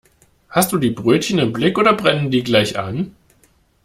Hast du die Brötchen im Blick oder brennen die gleich an?